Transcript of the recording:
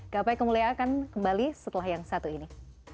gapai kemuliaan akan kembali setelah yang satu ini